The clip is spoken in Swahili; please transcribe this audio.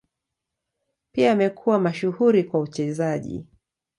Pia amekuwa mashuhuri kwa uchezaji.